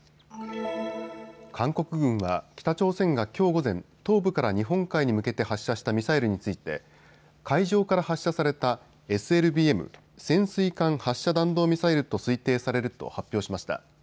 韓国軍は北朝鮮がきょう午前、東部から日本海に向けて発射したミサイルについて海上から発射されたＳＬＢＭ・潜水艦発射弾道ミサイルと推定されると発表しました。